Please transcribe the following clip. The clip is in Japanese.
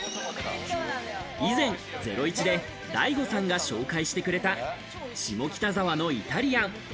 以前、『ゼロイチ』でＤＡＩＧＯさんが紹介してくれた下北沢のイタリアン。